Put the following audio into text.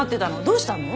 どうしたの？